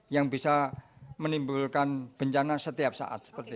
yang bisa menimbulkan bencana setiap saat